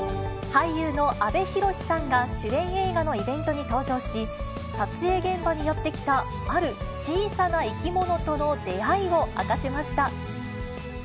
俳優の阿部寛さんが主演映画のイベントに登場し、撮影現場にやって来た、ある小さな生き物との出会いを明かしました。